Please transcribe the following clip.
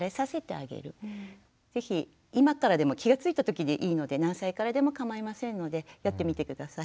ぜひ今からでも気が付いたときでいいので何歳からでもかまいませんのでやってみて下さい。